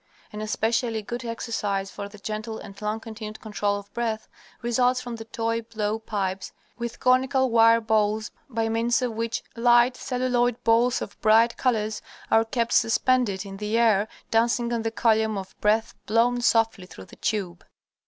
An especially good exercise for the gentle and long continued control of breath results from the toy blow pipes with conical wire bowls by means of which light, celluloid balls of bright colors are kept suspended in the air, dancing on the column of breath blown softly through the tube.